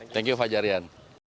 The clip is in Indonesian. thank you fajarian